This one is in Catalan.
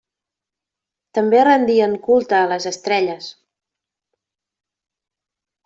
També rendien culte a les estrelles.